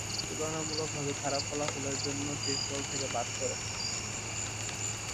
তুলনামূলকভাবে খারাপ ফলাফলের জন্য টেস্ট দল থেকে বাদ পড়েন।